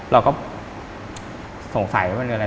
เราก็สงสัยว่ามันคืออะไร